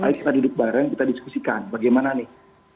ayo kita duduk bareng kita diskusikan bagaimana nih